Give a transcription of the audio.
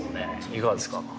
いかがですか？